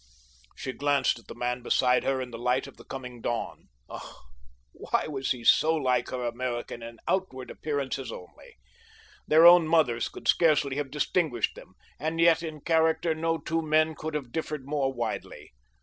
She glanced at the man beside her in the light of the coming dawn. Ah, why was he so like her American in outward appearances only? Their own mothers could scarce have distinguished them, and yet in character no two men could have differed more widely.